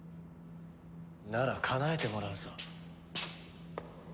ならかなえてもらうぞ。